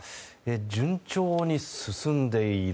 順調に進んでいる。